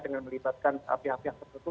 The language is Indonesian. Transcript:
dengan melibatkan pihak pihak tertentu